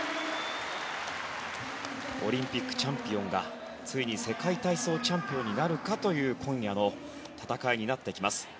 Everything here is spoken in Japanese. オリンピックチャンピオンがついに世界体操チャンピオンになるかという今夜の戦いになってきます。